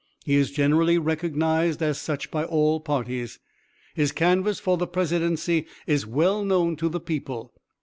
He is generally recognized as such by all parties. His canvass for the presidency is well known to the people.